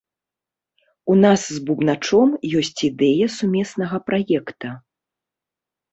У нас з бубначом ёсць ідэя сумеснага праекта.